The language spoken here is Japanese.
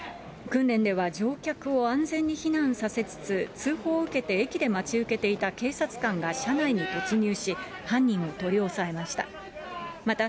訓練では、乗客を安全に避難させつつ、通報を受けて駅で待ち受けていた警察官が車内に突入し、犯人を取り押さえました。